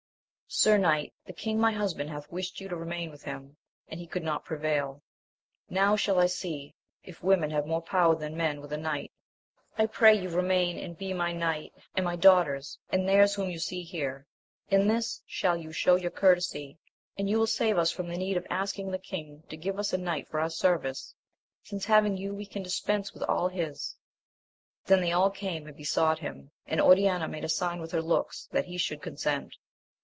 Sir knight, the king my husband hath wished you to remain with him, and he could not prevail ; now shall I see if women have more power than men with a knight ; I pray you remain and be my knight, and my daughter's, and theirs whom you see here; in this shall you show your courtesy, and you will save us from the need of asking = the king to give us a knight for our service, since having you we can dispense with all his. Then they all came and besought him, and Oriana made a sign with her looks that he should con sent.